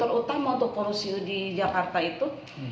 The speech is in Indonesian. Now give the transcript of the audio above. kontributor utama untuk polusi di jakarta itu